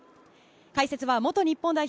解説は元日本代表